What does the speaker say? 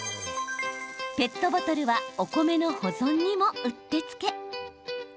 ペットボトルはお米の保存にも、うってつけ。